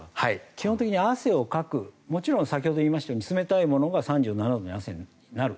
基本的に汗をかくもちろん先ほど言いましたように冷たいものが３７度の汗になる。